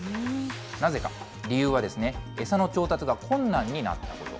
なぜか、理由はですね、餌の調達が困難になったこと。